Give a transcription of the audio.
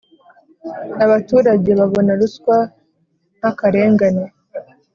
Abaturage babona ruswa nk’ akarengane.